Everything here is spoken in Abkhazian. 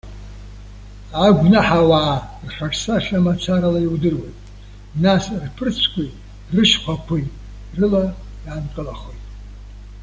Агәнаҳауаа рхаҿсахьа мацарала иудыруеит, нас рԥырцәқәеи рышьхәақәеи рыла иаанкылахоит.